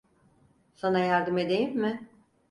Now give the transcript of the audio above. Sana yardım edeyim mi?